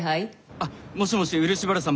あっもしもし漆原さん